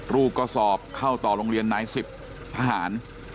ลูกก็สอบเข้าต่อโรงเรียนนายสิบทหาร